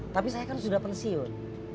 tapi saya kan sudah pensiun